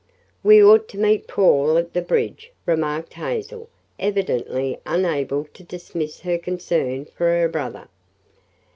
"We ought to meet Paul at the bridge," remarked Hazel, evidently unable to dismiss her concern for her brother.